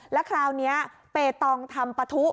แล้วคราวนี้เปตองทำปะทุ